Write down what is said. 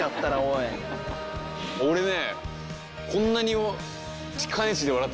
俺ね。